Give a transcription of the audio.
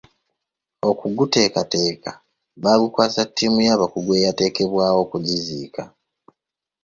Okuguteekateeka bagukwasa ttiimu y'abakugu eyateekebwawo okugiziika.